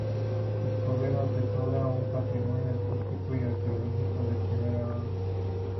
Escobedo atesora un patrimonio artístico y arqueológico de primer orden.